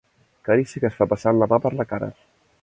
Carícia que es fa passant la mà per la cara.